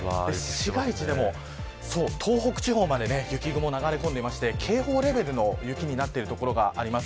市街地でも、東北地方まで雪雲が流れてきていて警報レベルの雪になってる所があります。